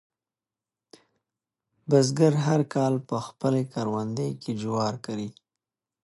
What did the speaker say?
بزګر هر کال په خپل کروندې کې جوار کري.